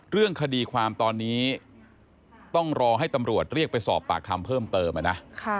เรื่องคดีความตอนนี้ต้องรอให้ตำรวจเรียกไปสอบปากคำเพิ่มเติมนะ